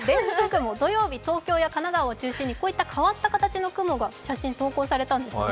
土曜日、東京や神奈川を中心にこういった変わった雲の写真、投稿されたんですね。